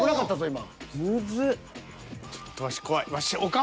今。